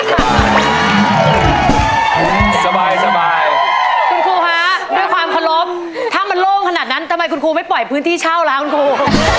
สบายคุณครูคะด้วยความเคารพถ้ามันโล่งขนาดนั้นทำไมคุณครูไม่ปล่อยพื้นที่เช่าล่ะคุณครู